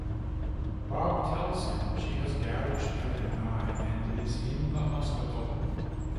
Bob tells him she has gouged out an eye and is in the hospital.